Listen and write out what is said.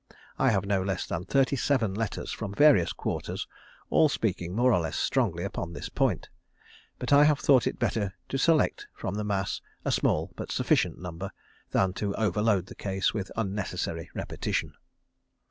I have no less than thirty seven letters from various quarters, all speaking more or less strongly upon this point, but I have thought it better to select from the mass a small but sufficient number, than to overload the case with unnecessary repetition.